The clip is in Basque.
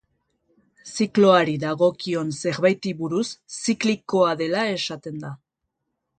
Zikloari dagokion zerbaiti buruz ziklikoa dela esaten da.